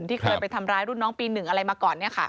ที่เคยไปทำร้ายรุ่นน้องปี๑อะไรมาก่อน